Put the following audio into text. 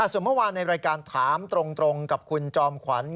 ส่วนเมื่อวานในรายการถามตรงกับคุณจอมขวัญ